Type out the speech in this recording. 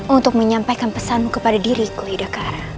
untuk menyampaikan pesanmu kepada diriku yudhakaara